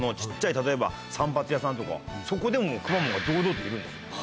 例えば散髪屋さんとかそこでもくまモンが堂々といるんですよ。